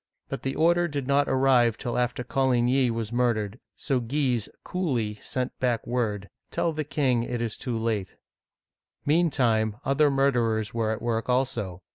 But the order did not arrive till after Coligny was murdered, so Guise coolly sent back word, " Tell the king it is too late !" Meantime, other murderers were at work also.